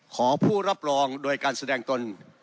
ขอผู้รับรองโดยการแสดงตน